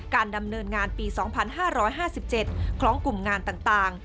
ดำเนินงานปี๒๕๕๗ของกลุ่มงานต่าง